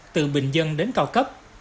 từ bình dân đến cao cấp